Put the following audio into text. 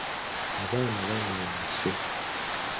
Abaana bayonoonese.